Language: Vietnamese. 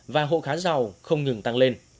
và hộ khá giàu không ngừng tăng lên